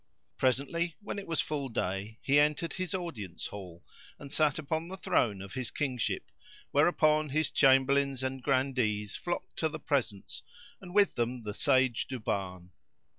Presently, when it was full day he entered his audience hall and sat upon the throne of his kingship whereupon his Chamberlains and Grandees flocked to the presence and with them the Sage Duban.